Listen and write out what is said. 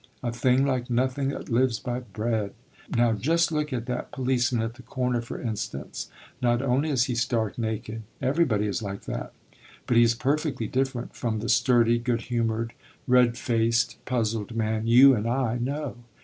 A thing like nothing that lives by bread! Now just look at that policeman at the corner, for instance; not only is he stark naked everybody is like that but he's perfectly different from the sturdy, good humoured, red faced, puzzled man you and I know.